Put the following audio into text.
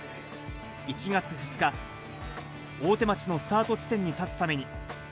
１月２日、大手町のスタート地点に立つために。